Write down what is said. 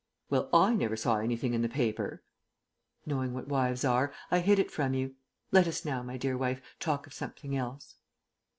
"Well, I never saw anything in the paper" "Knowing what wives are, I hid it from you. Let us now, my dear wife, talk of something else."